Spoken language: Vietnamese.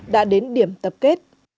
đã đến điểm tập kết